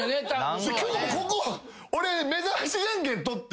今日もここ俺めざましじゃんけん撮って。